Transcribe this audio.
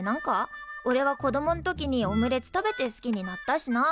おれは子供ん時にオムレツ食べて好きになったしなあ。